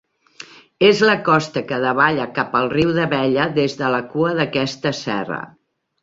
És la costa que davalla cap al riu d'Abella des de la cua d'aquesta serra.